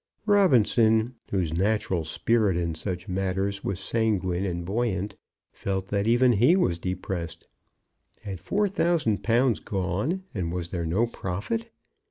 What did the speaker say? Robinson, whose natural spirit in such matters was sanguine and buoyant, felt that even he was depressed. Had four thousand pounds gone, and was there no profit?